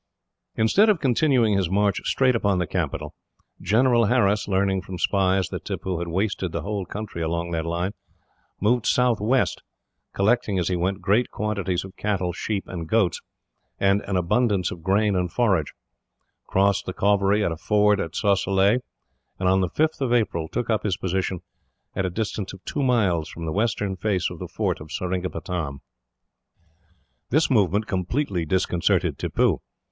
Instead of continuing his march straight upon the capital, General Harris, learning from spies that Tippoo had wasted the whole country along that line, moved southwest; collecting, as he went, great quantities of cattle, sheep, and goats, and an abundance of grain and forage; crossed the Cauvery at a ford at Sosilay; and, on the 5th of April, took up his position at a distance of two miles from the western face of the fort of Seringapatam. This movement completely disconcerted Tippoo.